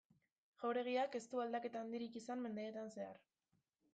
Jauregiak ez du aldaketa handirik izan mendeetan zehar.